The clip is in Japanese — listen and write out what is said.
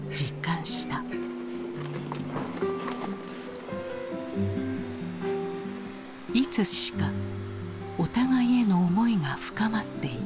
いつしかお互いへの思いが深まっていった。